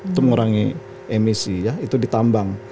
itu mengurangi emisi ya itu ditambang